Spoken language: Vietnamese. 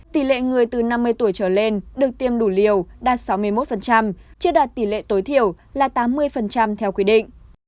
tỷ lệ người từ năm mươi tuổi trở lên được tiêm đủ liều đạt sáu mươi một chưa đạt tỷ lệ tối thiểu là tám mươi theo quy định